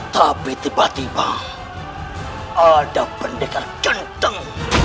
tapi tiba tiba ada pendekar canteng